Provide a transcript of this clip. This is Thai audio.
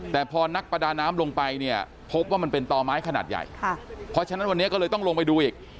แต่พอนักประดาน้ำลงไปเนี่ยพบว่ามันเป็นต่อไม้ขนาดใหญ่ค่ะเพราะฉะนั้นวันนี้ก็เลยต้องลงไปดูอีก